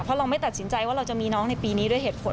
เพราะเราไม่ตัดสินใจว่าเราจะมีน้องในปีนี้ด้วยเหตุผล